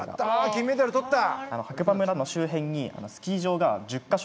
金メダル取った。